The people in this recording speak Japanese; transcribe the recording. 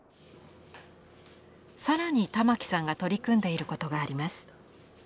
更に玉城さんが取り組んでいることがあります。